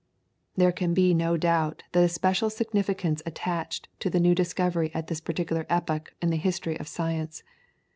There can be no doubt that a special significance attached to the new discovery at this particular epoch in the history of science.